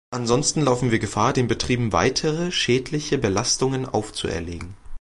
Ansonsten laufen wir Gefahr, den Betrieben weitere schädliche Belastungen aufzuerlegen.